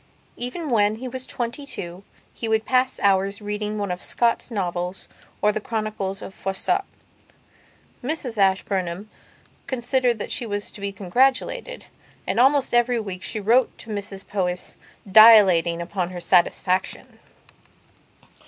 Even when he was twenty two he would pass hours reading one of Scott's novels or the Chronicles of Froissart. Mrs Ashburnham considered that she was to be congratulated, and almost every week she wrote to Mrs Powys, dilating upon her satisfaction.